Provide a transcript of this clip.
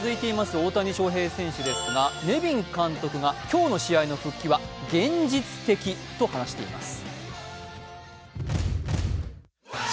大谷翔平選手ですがネビン監督が今日の試合の復帰は現実的と話しています。